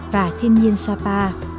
và thiên nhiên sapa